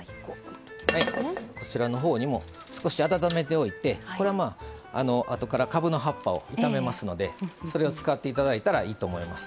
少し温めておいてあとからかぶの葉っぱを炒めますのでそれを使っていただいたらいいと思います。